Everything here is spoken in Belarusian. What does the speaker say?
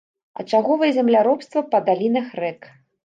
Ачаговае земляробства па далінах рэк.